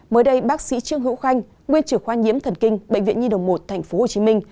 mới đây bác sĩ trương hữu khanh nguyên trưởng khoa nhiễm thần kinh bệnh viện nhi đồng một tp hcm